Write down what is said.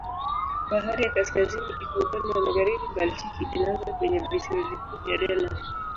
Bahari ya Kaskazini iko upande wa magharibi, Baltiki inaanza kwenye visiwa vikuu vya Denmark.